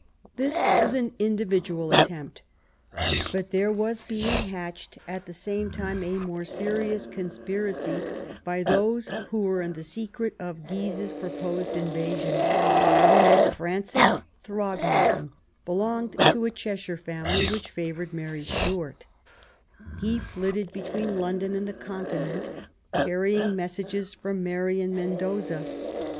This was an individual attempt. But there was being hatched at the same time a more serious conspiracy by those who were in the secret of Guise's proposed invasion. Francis Throgmorton belonged to a Cheshire family which favoured Mary Stuart. He flitted between London and the Continent, carrying messages from Mary and Mendoza.